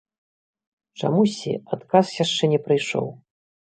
Чамусьці адказ яшчэ не прыйшоў.